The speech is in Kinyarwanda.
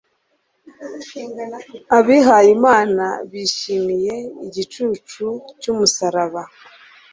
Abihayimana bishimiye igicucu cy'umusaraba